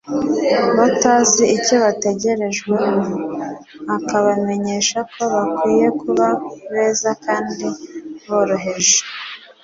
batagize icyo bategerejweho, akabamenyesha ko bakwiye kuba beza kandi boroheje;